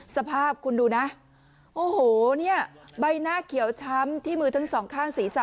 สภาพคุณดูนะโอ้โหเนี่ยใบหน้าเขียวช้ำที่มือทั้งสองข้างศีรษะ